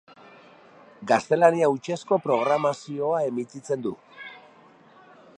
Gaztelania hutsezko programazioa emititzen du.